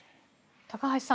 高橋さん